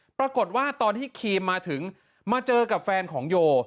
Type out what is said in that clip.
ปรากฏว่าตอนที่คีมมาเจอกับแฟนของโย